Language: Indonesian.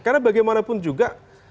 karena bagaimanapun juga